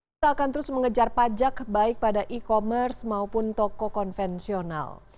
kita akan terus mengejar pajak baik pada e commerce maupun toko konvensional